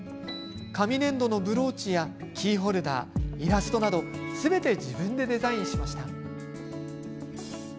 紙粘土のブローチやキーホルダーイラストなどすべて自分でデザインしました。